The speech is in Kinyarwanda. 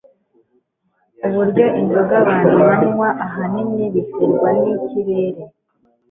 uburyo inzoga abantu banywa ahanini biterwa nikirere